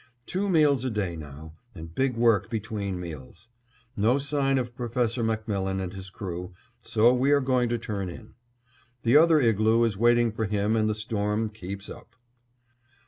Two meals a day now, and big work between meals. No sign of Professor MacMillan and his crew, so we are going to turn in. The other igloo is waiting for him and the storm keeps up.